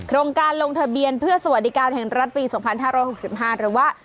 โรงการลงทะเบียนเพื่อสวัสดิการแห่งรัฐปี๒๕๖๕หรือว่า